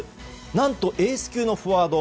何とエース級のフォワード